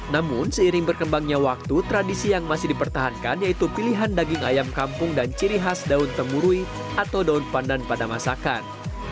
namun seiring berkembangnya waktu tradisi yang masih dipertahankan yaitu pilihan daging ayam kampung dan ciri khas daun temurui atau daun pandan pada masakan